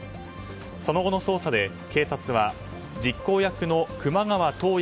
その後の捜査で警察は実行役の熊川瞳笑